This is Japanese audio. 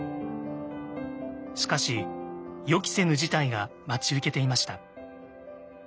しかし予期せぬ事態が待ち受けていました。